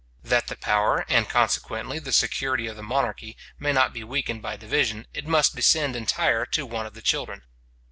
That the power, and consequently the security of the monarchy, may not be weakened by division, it must descend entire to one of the children.